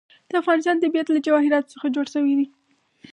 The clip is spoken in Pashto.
د افغانستان طبیعت له جواهرات څخه جوړ شوی دی.